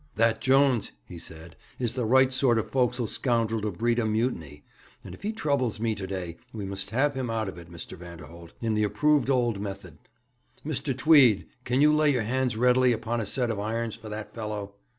'That Jones,' he said, 'is the right sort of forecastle scoundrel to breed a mutiny, and if he troubles me to day we must have him out of it, Mr. Vanderholt, in the approved old method. Mr. Tweed, can you lay your hands readily upon a set of irons for that fellow?'